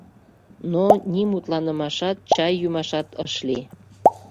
Но ни мутланымашат, чай йӱмашат ыш лий.